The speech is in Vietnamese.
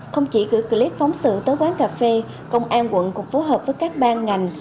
không chỉ gửi clip phóng sự tới quán cà phê công an quận cũng phối hợp với các ban ngành